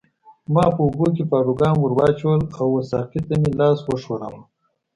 ما په اوبو کې پاروګان ورواچول او وه ساقي ته مې لاس وښوراوه.